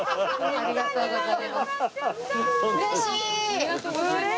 ありがとうございます。